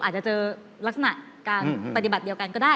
อาจจะเจอลักษณะการปฏิบัติเดียวกันก็ได้